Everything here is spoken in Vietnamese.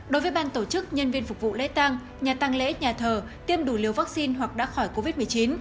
đối với ban tổ chức nhân viên phục vụ lễ tăng nhà tăng lễ nhà thờ tiêm đủ liều vaccine hoặc đã khỏi covid một mươi chín